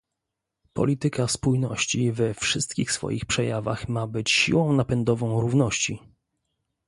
Polityka spójności we wszystkich swoich przejawach ma być siłą napędową równości